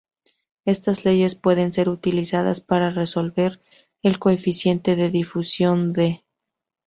Estas leyes pueden ser utilizadas para resolver el coeficiente de difusión, "D".